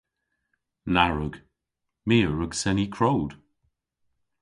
Na wrug. My a wrug seni krowd.